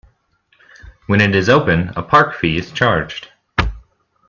When it is open, a park fee is charged.